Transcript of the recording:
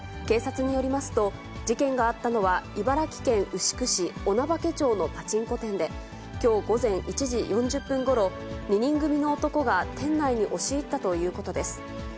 警察によりますと、事件があったのは、茨城県牛久市女化町のパチンコ店で、きょう午前１時４０分ごろ、２人組の男が店内に押し入ったということです。